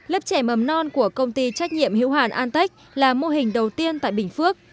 lớp trẻ mầm non của công ty trách nhiệm hữu hàn antech là mô hình đầu tiên tại bình phước